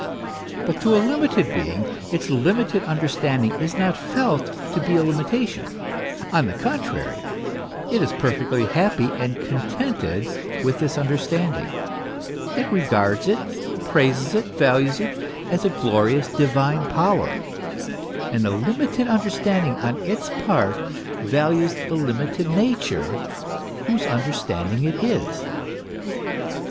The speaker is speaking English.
But to a limited heing its limited understanding is not felt to he a limitation ; on the contrary, it is perfectly happy and contented with this under standing ; it regards it, praises and values it, as a glorious, divine power ; and the limited understanding, on its part, values the limited nature whose understanding it is.